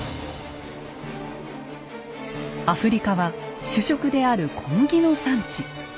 アフリカは主食である小麦の産地。